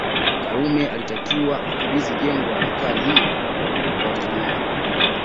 Karume alitakiwa akabidhi jengo la bekari hiyo kwa mwenyewe